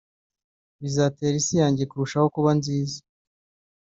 bizatera isi yanjye kurushaho kuba nziza